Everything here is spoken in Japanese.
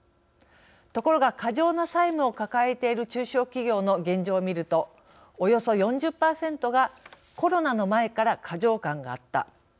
ところが過剰な債務を抱えている中小企業の現状を見るとおよそ４０％がコロナの前から過剰感があった。